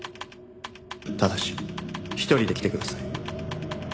「ただし一人で来てください」